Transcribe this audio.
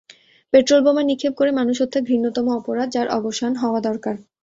পেট্রলবোমা নিক্ষেপ করে মানুষ হত্যা ঘৃণ্যতম অপরাধ, যার অবসান হওয়া দরকার।